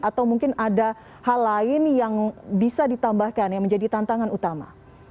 atau mungkin ada hal lain yang bisa ditambahkan yang menjadi tantangan utama